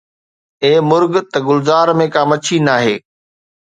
اي مرغ! ته گلزار ۾ ڪا مڇي ناهي